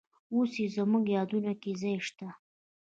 اوس یې زموږ یادونو کې ځای شته.